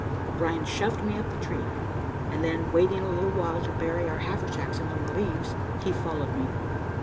O'Brien shoved me up the tree, and then, waiting a little while to bury our haversacks among the leaves, he followed me.